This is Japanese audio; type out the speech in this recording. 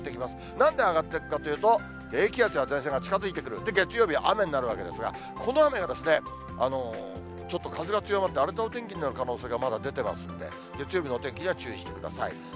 なんで上がっていくかというと、低気圧や前線が近づいてくる、そして月曜日、雨になるわけですが、この雨がちょっと風が強まって、荒れたお天気になる可能性がまた出てますんで、月曜日のお天気には注意してください。